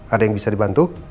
ada yang bisa di bantu